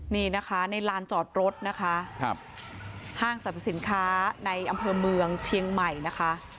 นี่นะคะในลานจอดรถนะคะห้างสรรพสินค้าในอำเภอเมืองเชียงใหม่นะคะ